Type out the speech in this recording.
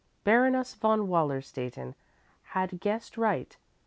Baroness von Wallerstätten had guessed right.